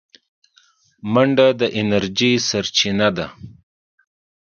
منډه د انرژۍ سرچینه ده